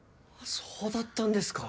そうだったんですか。